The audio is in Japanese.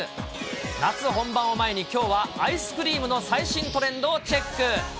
夏本番を前に、きょうはアイスクリームの最新トレンドをチェック。